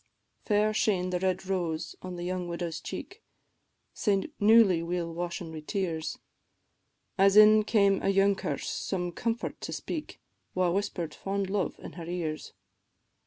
Fair shane the red rose on the young widow's cheek, Sae newly weel washen wi' tears, As in came a younker some comfort to speak, Wha whisper'd fond love in her ears.